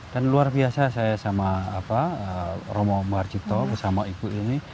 dan luar biasa saya sama romo marjito bersama ibu ini